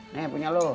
nih punya lo